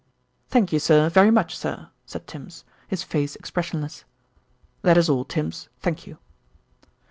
"Thank you, sir, very much, sir," said Tims, his face expressionless. "That is all, Tims, thank you."